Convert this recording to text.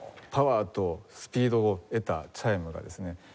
パワーとスピードを得たチャイムがですね